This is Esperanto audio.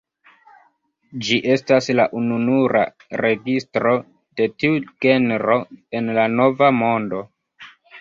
Ĝi estas la ununura registro de tiu genro en la Nova Mondo.